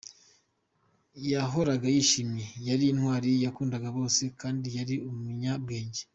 Yahoraga yishimye, yari intwari, yakundaga bose kandi yari umunyabwenge.